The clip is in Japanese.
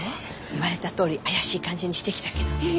言われたとおり怪しい感じにしてきたけど。